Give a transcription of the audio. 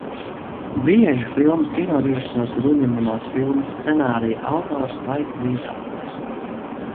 Bieži filmas kinorežisors ir uzņemamās filmas scenārija autors vai līdzautors.